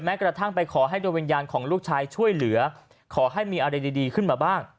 กระทั่งไปขอให้โดยวิญญาณของลูกชายช่วยเหลือขอให้มีอะไรดีขึ้นมาบ้าง